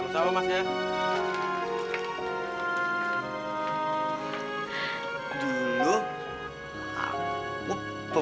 sama sama mas ya